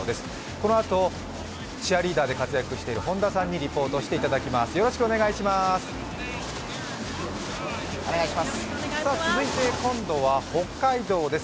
このあとチアリーダーで活躍している本田さんにリポートしていただきます、よろしくお願いします。